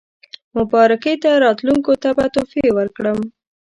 مبارکۍ ته راتلونکو ته به تحفې ورکړم.